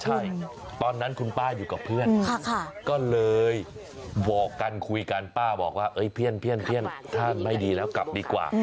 ใช่ตอนนั้นคุณป้าอยู่กับเพื่อนก็เลยบอกกันคุยกันป้าบอกว่าเพื่อนถ้าไม่ดีแล้วกลับดีกว่า